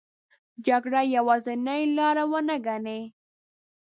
جګړه یوازینې لار ونه ګڼي.